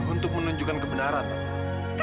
untuk menunjukkan kebenaran tante